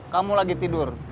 kamu lagi tidur